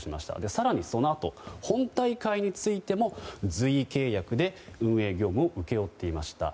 更にそのあと本大会についても随意契約で運営業務を請け負っていました。